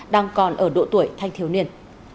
đang còn ở độ tuổi thanh thiếu niên